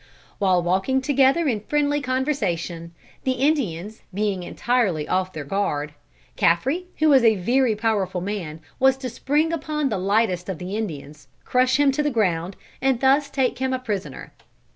While walking together in friendly conversation, the Indians being entirely off their guard, Caffre, who was a very powerful man, was to spring upon the lightest of the Indians, crush him to the ground, and thus take him a prisoner.